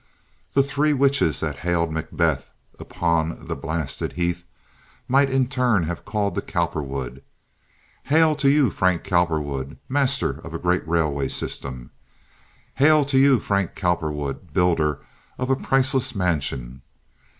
The three witches that hailed Macbeth upon the blasted heath might in turn have called to Cowperwood, "Hail to you, Frank Cowperwood, master of a great railway system! Hail to you, Frank Cowperwood, builder of a priceless mansion!